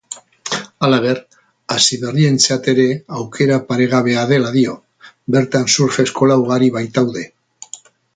Halaber, hasiberrientzat ere aukera paregabea dela dio, bertan surf-eskola ugari baitaude.